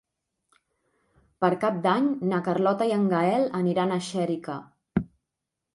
Per Cap d'Any na Carlota i en Gaël aniran a Xèrica.